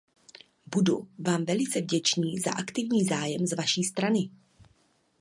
Budu vám velice vděčný za aktivní zájem z vaší strany.